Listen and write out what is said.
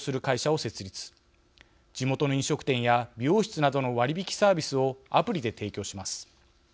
地元の飲食店や美容室などの割引サービスをアプリで提供します。